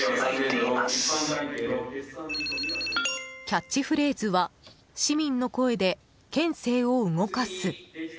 キャッチフレーズは市民の声で県政を動かす！